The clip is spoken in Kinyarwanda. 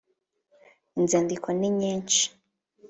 Inzandiko ninyishi.